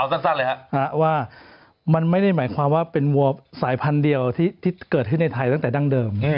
สั้นเลยครับว่ามันไม่ได้หมายความว่าเป็นวัวสายพันธุ์เดียวที่เกิดให้ในไทยตั้งแต่ดั้งเดิม